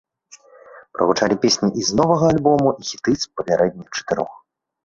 Прагучалі песні і з новага альбому, і хіты з папярэдніх чатырох.